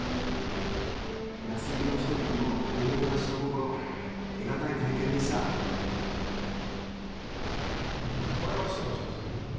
安来の人々のおもてなしの心得がたい体験でしたもしかして。